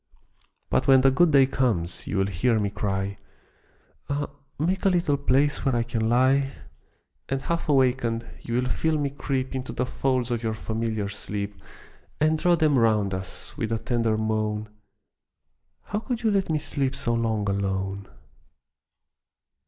But when the good day comes, you will hear me cry, "Ah, make a little place where I can lie!" And half awakened, you will feel me creep Into the folds of your familiar sleep, And draw them round us, with a tender moan, "How could you let me sleep so long alone?"